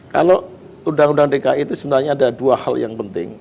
kalau undang undang dki itu sebenarnya ada dua hal yang penting